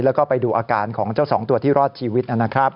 แล้วก็ไปดูอาการของเจ้าสองตัวที่รอดชีวิตนะครับ